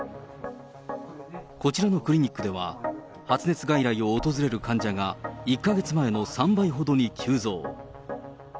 こちらのクリニックでは、発熱外来を訪れる患者が、１か月前の３倍ほどに急増。